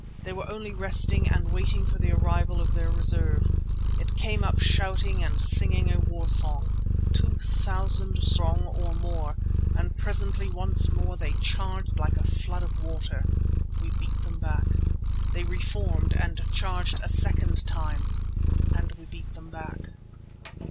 They were only resting and waiting for the arrival of their reserve. It came up shouting and singing a war song, two thousand strong or more, and presently once more they charged like a flood of water. We beat them back. They reformed and charged a second time and we beat them back.